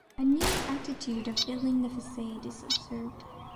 A new attitude of building the facade is observed.